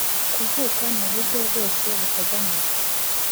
kuvuka n uburyo bwose buteganyijwe